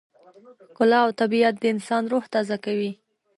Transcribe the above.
ښکلا او طبیعت د انسان روح تازه کوي.